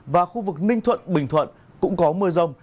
và khu vực ninh thuận bình thuận cũng có mưa rông